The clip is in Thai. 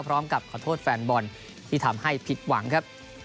พร้อมกับขอโทษแฟนบอลที่ทำให้ผิดหวังครับ